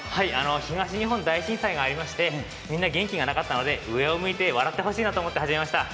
東日本大震災がありまして、みんな元気がなかったので上を向いて笑ってほしいなと思って始めました。